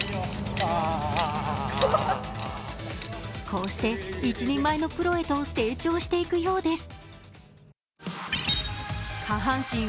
こうして一人前のプロへと成長していくようです。